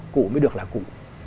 cụ mới được là cụ